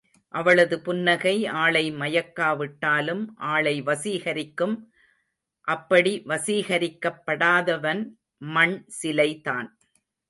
அவளது புன்னகை ஆளை மயக்கா விட்டாலும் ஆளை வசிகரிக்கும் அப்படி வசீகரிக்ப் படாதவன் மண் சிலை தான்.